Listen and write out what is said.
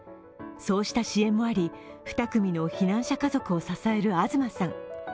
そうした支援もあり、２組の避難者家族を支える東さん。